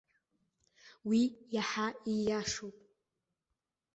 Уи иаҳа ииашоуп.